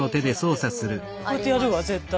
こうやってやるわ絶対。